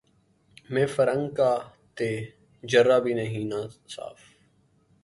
مے فرنگ کا تہ جرعہ بھی نہیں ناصاف